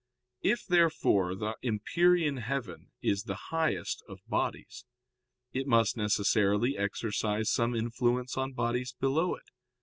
If, therefore, the empyrean heaven is the highest of bodies, it must necessarily exercise some influence on bodies below it.